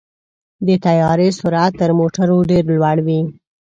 د طیارې سرعت تر موټرو ډېر لوړ وي.